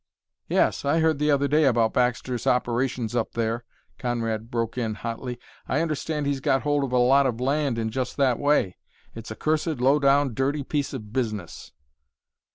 "Yes; I heard the other day about Baxter's operations up there," Conrad broke in hotly. "I understand he's got hold of a lot of land in just that way. It's a cursed, low down, dirty piece of business."